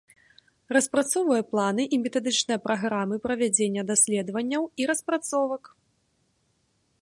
Распрацоўвае планы і метадычныя праграмы правядзення даследаванняў і распрацовак.